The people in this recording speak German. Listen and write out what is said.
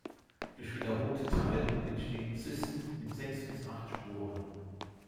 Durch wiederholte Teilung entstehen Zysten mit sechs bis acht Sporen.